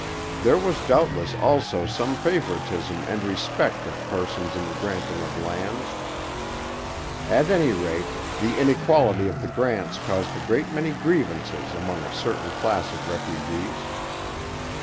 There was doubtless also some favouritism and respect of persons in the granting of lands. At any rate the inequality of the grants caused a great many grievances among a certain class of refugees.